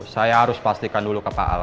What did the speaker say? saya harus pastikan dulu ke pak al